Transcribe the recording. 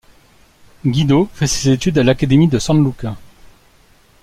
Guido fait ses études à l'académie de San Luca.